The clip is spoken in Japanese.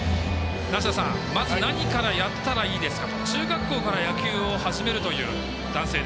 梨田さん、まず何からやったらいいですか？